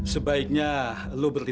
sebaiknya lo berhidup